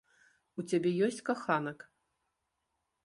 У цябе ёсць каханак?